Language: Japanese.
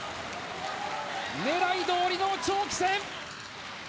狙いどおりの長期戦。